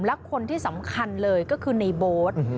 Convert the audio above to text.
และคนที่สำคัญเลยก็คือในโบ๊ท